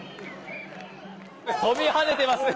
跳びはねてますね。